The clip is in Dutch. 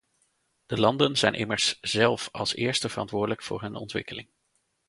De landen zijn immers zelf als eerste verantwoordelijk voor hun ontwikkeling.